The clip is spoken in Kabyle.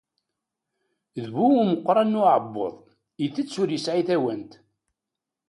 D bu umeqqran n uɛebbuḍ, itett ur yesɛi tawant.